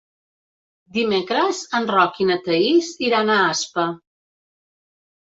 Dimecres en Roc i na Thaís iran a Aspa.